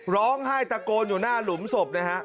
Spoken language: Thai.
ร้องไห้ตะโกนอยู่หน้าหลุมศพนะฮะ